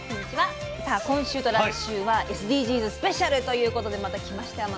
さあ今週と来週は「ＳＤＧｓスペシャル」ということでまた来ましたよ